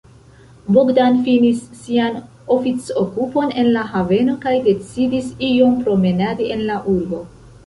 Bogdan finis sian oficokupon en la haveno kaj decidis iom promenadi en la urbo.